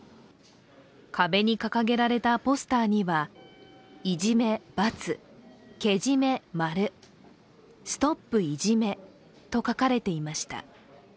壁に掲げられたポスターには、「いじめ×けじめ○ＳＴＯＰ！いじめ」と書かれていました。